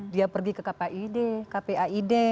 dia pergi ke kpiid kpiid